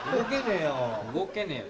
動けねえよ。